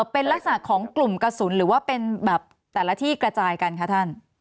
เป็นลักษณะของกลุ่มกระสุนหรือว่าเป็นแบบแต่ละที่กระจายกันคะท่าน